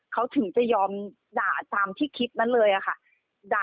เขาถึงจะยอมด่าตามที่คลิปนั้นเลยค่ะ